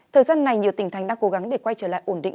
thời gian này nhiều tỉnh thành đang cố gắng để quay trở lại ổn định